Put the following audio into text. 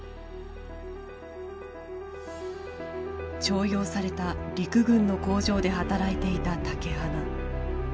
徴用された陸軍の工場で働いていた竹鼻。